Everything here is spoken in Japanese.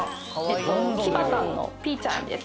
キバタンのピーちゃんです